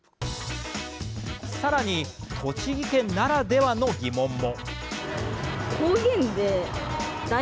さらに栃木県ならではの疑問も。